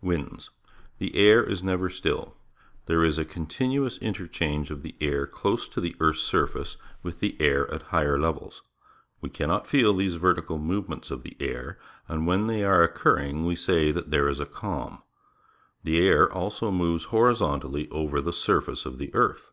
Winds. — The air is never still. There is a c ontinuous interchange of the air close to the earth's surface with the air at higher levels. We cannot feel these vertical move ments of the air, and when they are occur ring, we say that there is a calm. The air also moves horizontally over the surface of the earth.